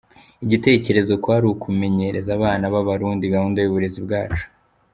Igitekerezo kwari ukumenyereza abana b’Abarundi gahunda y’uburezi bwacu.